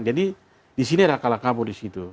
jadi disini ada kalakabu disitu